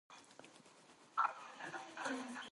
د پرېکړو روڼتیا شفافیت زیاتوي